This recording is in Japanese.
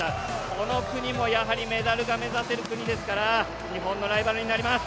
この国もメダルが目指せる国ですから、日本のライバルになります。